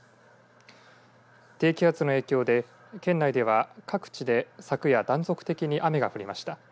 低気圧の影響で県内では、各地で昨夜、断続的に雨が降りました。